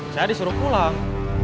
saya disuruh pulang